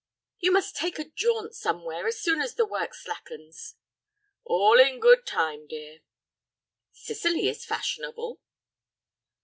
"You must take a jaunt somewhere as soon as the work slackens." "All in good time, dear." "Sicily is fashionable."